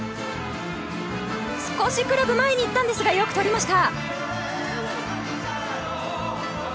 少しクラブが前に行ったのですがよく取りました。